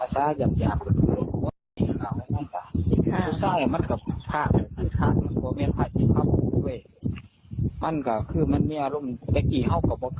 ฐานท่านบอกว่าเขามาเห็นตัวล่ะมันเงาะแง่วะคือไปเรียนอารมณ์